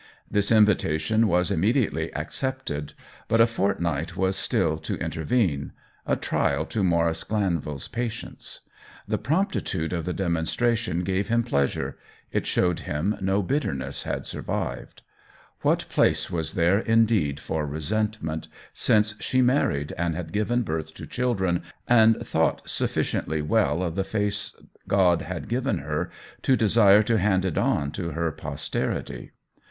This invitation was immediately accepted, but a fortnight was still to inter vene — a trial to Maurice GlanviFs patience. The promptitude of the demonstration gave him pleasure — it showed him no bitterness had survived. What place was there in deed for resentment, since she married and had given birth to children, and thought sufficiently well of the face God had given her to desire to hand it on to her posterity